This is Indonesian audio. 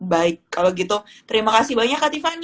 baik kalau gitu terima kasih banyak kak tiffany